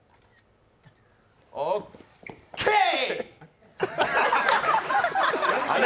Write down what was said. オッケー！